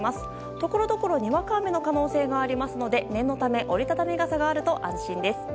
ところどころにわか雨の可能性があるので念のため、折り畳み傘があると安心です。